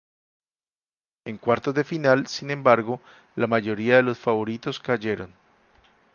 En cuartos de final, sin embargo, la mayoría de los favoritos cayeron.